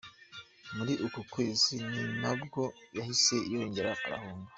Muri uko kwezi ni nabwo yahise yongera arahunga.